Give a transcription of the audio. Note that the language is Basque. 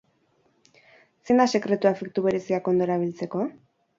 Zein da sekretua efektu bereziak ondo erabiltzeko?